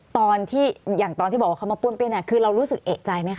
ตอนที่อย่างตอนที่บอกว่าเขามาป้วนเปี้ยนคือเรารู้สึกเอกใจไหมค